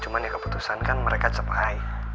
cuman ya keputusan kan mereka cepai